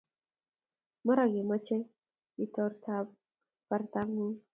Mara kemoche iturturb bortangun